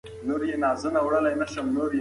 بد اخلاقي تر ټولو ناوړه عمل دی.